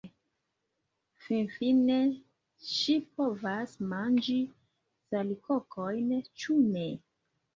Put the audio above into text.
Finfine, ŝi povas manĝi salikokojn, ĉu ne?